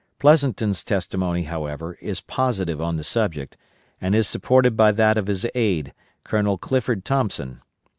Pleasonton's testimony, however, is positive on the subject, and is supported by that of his aide, Colonel Clifford Thompson.